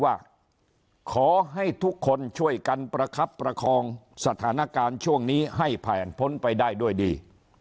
ว่าขอให้ทุกคนช่วยกันประคับประคองสถานการณ์ช่วงนี้ให้ผ่านพ้นไปได้ด้วยดี